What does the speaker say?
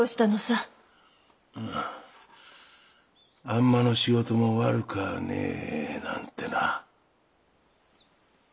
あんまの仕事も悪くはねえなんてな。